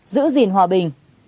giữ gìn hòa bình